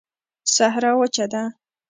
صحرا وچه ده